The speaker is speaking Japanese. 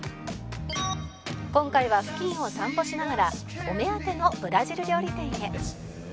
「今回は付近を散歩しながらお目当てのブラジル料理店へ」